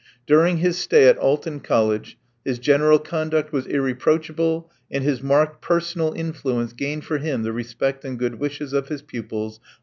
During his stay at Alton College, his general conduct was irreproachable, and his marked personal influence gained for him the respect and good wishes of his pupils.